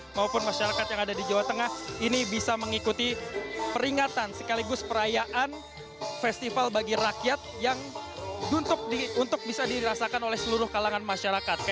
maupun masyarakat yang ada di jawa tengah ini bisa mengikuti peringatan sekaligus perayaan festival bagi rakyat yang untuk bisa dirasakan oleh seluruh kalangan masyarakat